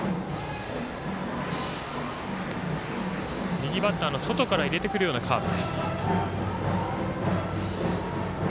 右バッターの外から入れてくるようなカーブ。